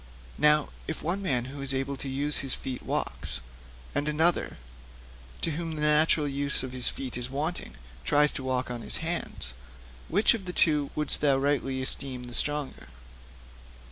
'Now, if one man who is able to use his feet walks, and another to whom the natural use of his feet is wanting tries to walk on his hands, which of the two wouldst thou rightly esteem the stronger?'